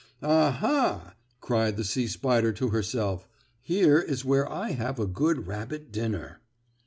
"Ah, ha!" cried the sea spider to herself, "here is where I have a good rabbit dinner."